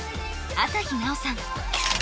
朝日奈央さん